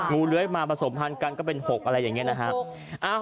เลื้อยมาผสมพันธ์กันก็เป็น๖อะไรอย่างนี้นะฮะ